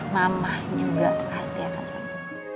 mamah juga pasti akan sembuh